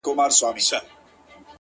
پرتكه سپينه پاڼه وڅڅېدې ـ